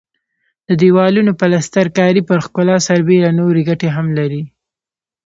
د دېوالونو پلستر کاري پر ښکلا سربېره نورې ګټې هم لري.